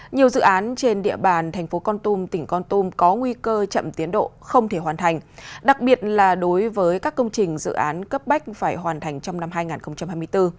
nhiều dự án trên địa bàn thành phố con tum tỉnh con tum có nguy cơ chậm tiến độ không thể hoàn thành đặc biệt là đối với các công trình dự án cấp bách phải hoàn thành trong năm hai nghìn hai mươi bốn